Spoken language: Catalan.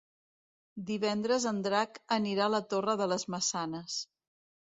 Divendres en Drac anirà a la Torre de les Maçanes.